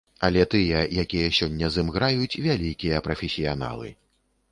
Але тыя, якія сёння з ім граюць, вялікія прафесіяналы.